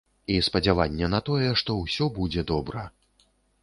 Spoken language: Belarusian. І спадзяванне на тое, што ўсё будзе добра.